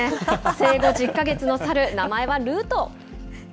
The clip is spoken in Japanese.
生後１０か月の猿、名前はルート。